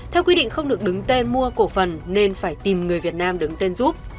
theo quy định không được đứng tên mua cổ phần nên phải tìm người việt nam đứng tên giúp